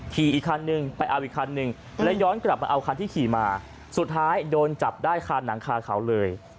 อีกคันนึงไปเอาอีกคันนึงแล้วย้อนกลับมาเอาคันที่ขี่มาสุดท้ายโดนจับได้คาหนังคาเขาเลย